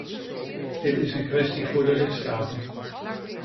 Dit is een kwestie voor de lidstaten.